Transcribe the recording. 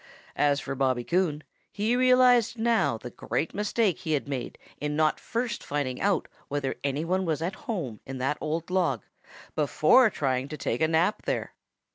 As for Bobby Coon, he realized now the great mistake he had made in not first finding out whether any one was at home in that old log before trying to take a nap there.